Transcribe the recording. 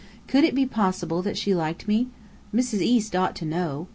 Could it be possible that she liked me? Mrs. East ought to know.